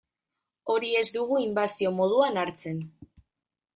Hori ez dugu inbasio moduan hartzen.